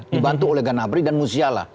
dibantu oleh ganabry dan musiala